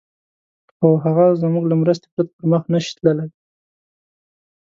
خو هغه زموږ له مرستې پرته پر مخ نه شي تللای.